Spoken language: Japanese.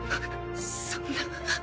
そんな。